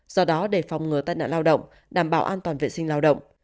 do đó để phòng ngừa tai nạn lao động đảm bảo an toàn vệ sinh lao động